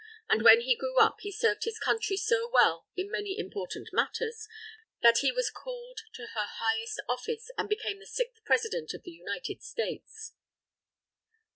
And when he grew up, he served his Country so well in many important matters, that he was called to her highest office, and became the sixth President of the United States.